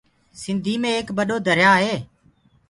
سنڌي مي ايڪ ٻڏو دريآ هي۔